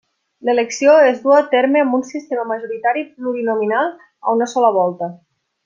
L'elecció es duu a terme amb un sistema majoritari plurinominal a una sola volta.